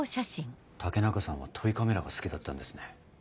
武中さんはトイカメラが好きだったんですね。